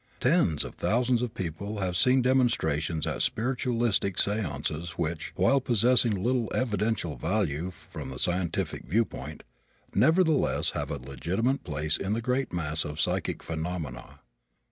Tens of thousands of people have seen demonstrations at spiritualistic seances which, while possessing little evidential value from the scientific viewpoint, nevertheless have a legitimate place in the great mass of psychic phenomena.